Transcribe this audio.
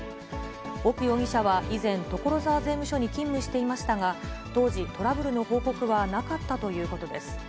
奥容疑者は以前、所沢税務署に勤務していましたが、当時、トラブルの報告はなかったということです。